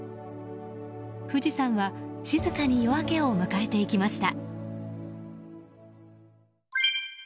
富士山は静かに夜明けを迎えていきました。